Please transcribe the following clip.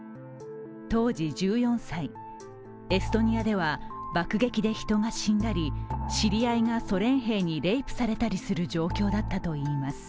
当時１４歳、エストニアでは爆撃で人が死んだり、知り合いがソ連兵にレイプされたりする状況だったといいます。